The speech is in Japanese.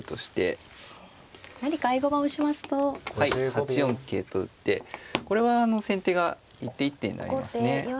８四桂と打ってこれはあの先手が一手一手になりますね。